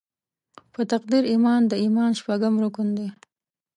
په تقدیر ایمان د ایمان شپږم رکن دې.